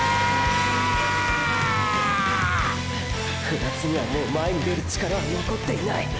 船津にはもう前に出る力は残っていない！